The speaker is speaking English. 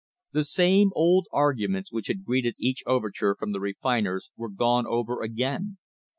The same old arguments which had greeted each overture from the refiners were gone over again.